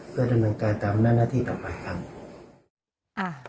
เพื่อดำเนินการตามหน้าที่ต่อไปครับ